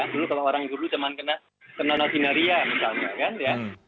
dulu kalau orang dulu cuma kena notinaria misalnya kan ya